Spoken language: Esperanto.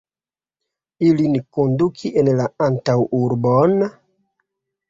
ilin konduki en la antaŭurbon?